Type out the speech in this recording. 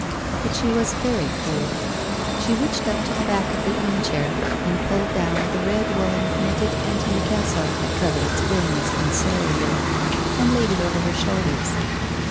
But she was very cold. She reached up to the back of the armchair and pulled down the red woollen knitted antimacassar that covered its grimness and soilure, and laid it over her shoulders.